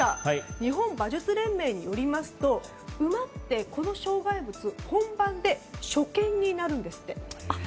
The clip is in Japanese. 日本馬術連盟によりますと馬ってこの障害物を本番で初見になるんですって。